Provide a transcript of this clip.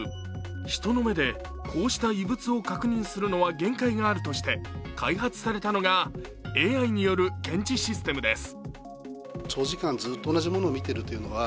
人の目でこうした異物を確認するのは限界があるとして開発されたのがＡＩによる検知システムです。